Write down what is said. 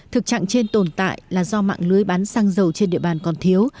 thực trạng trên tồn tại là do mạng lưới bán xăng dầu trên địa bàn còn thiếu